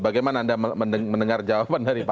bagaimana anda mendengar jawaban dari pak